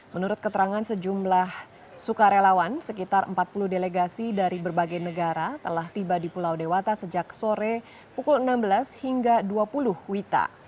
menurut keterangan sejumlah sukarelawan sekitar empat puluh delegasi dari berbagai negara telah tiba di pulau dewata sejak sore pukul enam belas hingga dua puluh wita